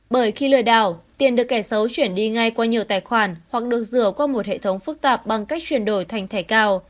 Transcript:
bởi khi lừa đảo tiền được kẻ xấu chuyển đi ngay qua nhiều tài khoản hoặc được rửa qua một hệ thống phức tạp bằng cách chuyển đổi thành thẻ cào